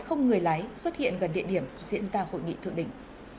không người lái xuất hiện gần địa điểm diễn ra hội nghị thượng đỉnh